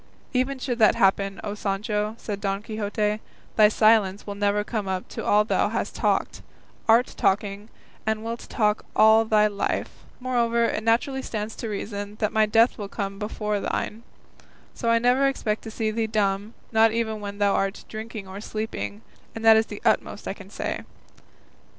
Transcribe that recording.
"Even should that happen, O Sancho," said Don Quixote, "thy silence will never come up to all thou hast talked, art talking, and wilt talk all thy life; moreover, it naturally stands to reason, that my death will come before thine; so I never expect to see thee dumb, not even when thou art drinking or sleeping, and that is the utmost I can say."